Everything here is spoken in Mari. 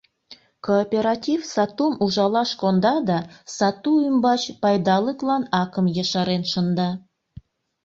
Кооператив сатум ужалаш конда да сату ӱмбач пайдалыклан акым ешарен шында.